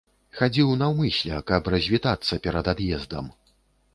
Хадзіў наўмысля, каб развітацца перад ад'ездам.